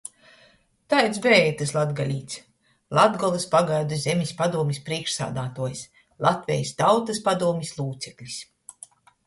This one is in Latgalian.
Taids beja itys latgalīts — Latgolys Pagaidu zemis padūmis prīšksādātuojs, Latvejis Tautys padūmis lūceklis,